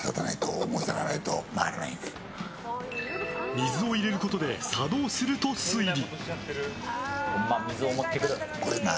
水を入れることで作動すると推理。